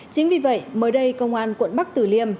chính vì vậy mới đây công an quận bắc tử liêm